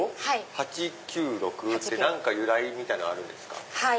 ８９６って何か由来みたいなのあるんですか？